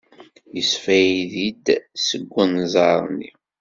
Yesfaydi-d seg unẓar-nni.